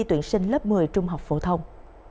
trong các khu vực phổ thông